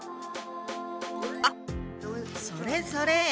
あっそれそれ！